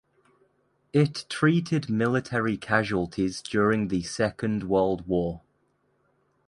It treated military casualties during the Second World War.